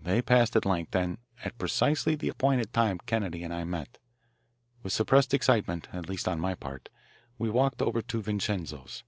They passed at length, and at precisely the appointed time Kennedy and I met. With suppressed excitement, at least on my part, we walked over to Vincenzo's.